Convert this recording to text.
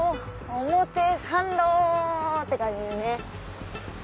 表参道って感じでね。